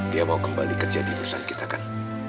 dia mau kembali kerja di perusahaan kita kan